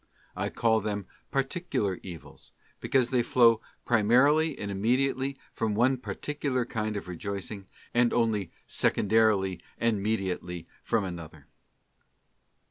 I call them particular evils, because they flow primarily and imme diately from one particular kind of rejoicing, and only secondarily and mediately from another.